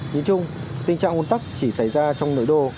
nhìn chung tình trạng hồn tắc chỉ xảy ra trong nơi đô